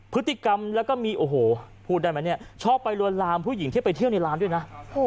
พฤทธิกรรมแล้วก็มีชอบไปรวมรามผู้หญิงที่ไปเที่ยวในร้านด้วยนะ